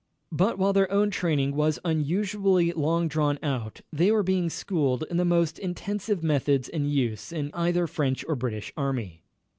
But while their own training was unusually long drawn out, they were being schooled in the most intensive methods in use in either French or British Army.